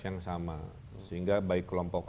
yang sama sehingga baik kelompok